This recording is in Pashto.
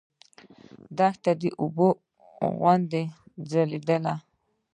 دښته د اوبو غوندې ځلېدله.